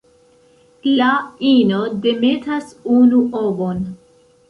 La ino demetas unu ovon.